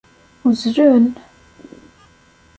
Uzzlen